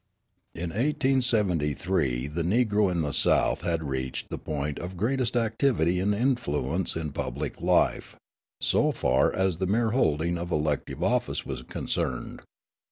In 1873 the Negro in the South had reached the point of greatest activity and influence in public life, so far as the mere holding of elective office was concerned.